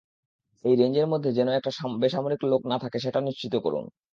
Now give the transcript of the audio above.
এই রেঞ্জের মধ্যে যেন কোনো বেসামরিক লোক না থাকে সেটা নিশ্চিত করুন।